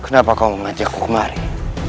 kenapa kau mengajakku kemari